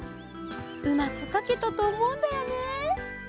うまくかけたとおもうんだよね。